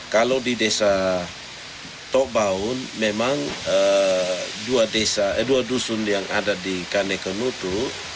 kalau di desa to'obaun memang dua desa dua dusun yang ada di kanekonutu